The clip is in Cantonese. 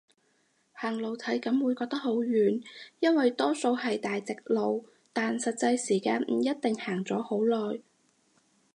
行路體感會覺得好遠，因為多數係大直路，但實際時間唔一定行咗好耐